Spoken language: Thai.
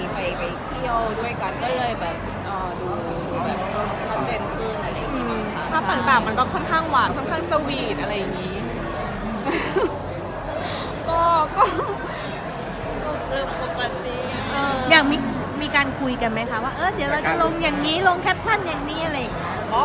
อยากมีการคุยกันไหมคะว่าเดี๋ยวเราก็ลงแคปชั่นอย่างนี้อะไร